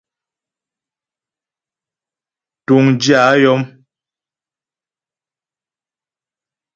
Túŋdyə̂ a yɔm.